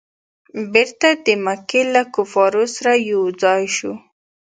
بیرته د مکې له کفارو سره یو ځای سو.